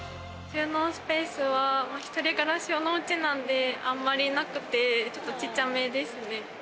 収納スペースは、一人暮らしのおうちなんで、あまりなくて、ちょっと、ちっちゃめですね。